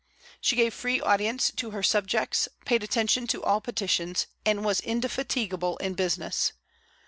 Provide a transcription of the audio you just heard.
She gave free audience to her subjects, paid attention to all petitions, and was indefatigable in business.